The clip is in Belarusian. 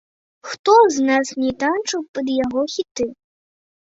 Хто з нас не танчыў пад яго хіты?